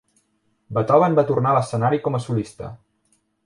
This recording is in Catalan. Beethoven va tornar a l'escenari com a solista.